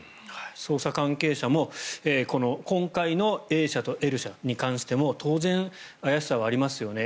捜査関係者も今回のＡ社とＬ社に関しても当然、怪しさはありますよね。